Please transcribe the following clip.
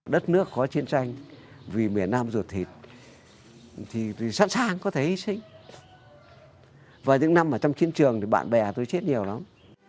đất nước có chiến tranh vì miền nam ruột thịt thì sẵn sàng có thể hy sinh và những năm ở trong chiến trường thì bạn bè tôi chết nhiều lắm